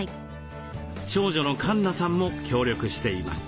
長女のかんなさんも協力しています。